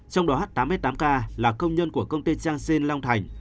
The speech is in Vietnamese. trong đó tám mươi tám ca là công nhân của công ty trang sinh long thành